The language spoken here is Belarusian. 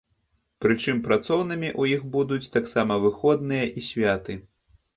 Прычым працоўнымі ў іх будуць таксама выходныя і святы.